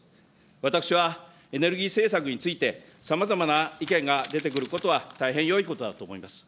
私は、エネルギー政策について、さまざまな意見が出てくることは大変よいことだと思います。